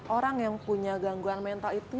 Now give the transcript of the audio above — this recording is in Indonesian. orang yang punya gangguan mental itu